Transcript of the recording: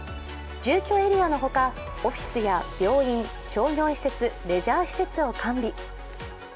住居エリアのほかオフィスや病院、商業施設、レジャー施設を完備。